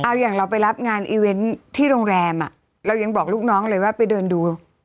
เอาอย่างเราไปรับงานอีเวนต์ที่โรงแรมอ่ะเรายังบอกลูกน้องเลยว่าไปเดินดู